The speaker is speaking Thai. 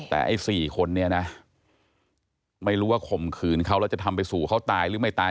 แต่ไอ้๔คนนี้นะไม่รู้ว่าข่มขืนเขาแล้วจะทำไปสู่เขาตายหรือไม่ตาย